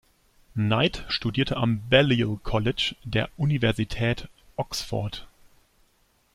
Knight studierte am Balliol College der Universität Oxford.